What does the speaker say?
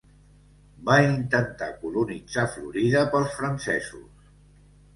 Va intentar colonitzar Florida pels francesos.